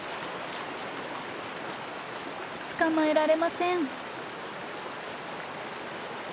捕まえられません。